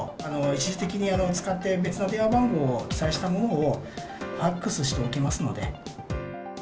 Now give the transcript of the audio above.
一時的に使っている別の電話番号を記載したものをファックスしておきますので。